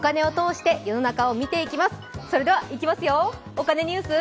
お金ニュース」。